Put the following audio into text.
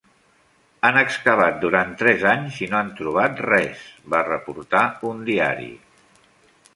"Han excavat durant tres anys i no han trobat res," va reportar un diari.